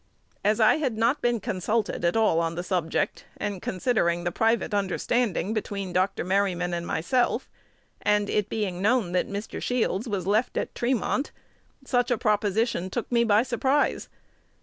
As I had not been consulted at all on the subject, and considering the private understanding between Dr. Merryman and myself, and it being known that Mr. Shields was left at Tremont, such a proposition took me by surprise.